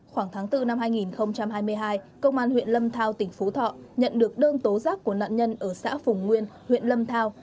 khoảng tháng bốn năm hai nghìn hai mươi hai công an huyện lâm thao tỉnh phú thọ nhận được đơn tố giác của nạn nhân ở xã phùng nguyên huyện lâm thao